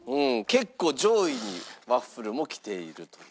結構上位にワッフルもきているという。